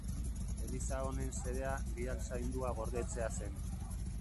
Eliza honen xedea Grial Saindua gordetzea zen.